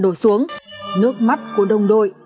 đổ xuống nước mắt của đồng đội